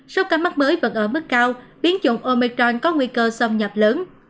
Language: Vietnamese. sau các mắt mới vẫn ở mức cao biến chủng omicron có nguy cơ xâm nhập lớn